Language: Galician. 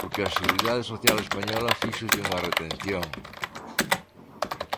Porque a Seguridade Social española fíxolle unha retención.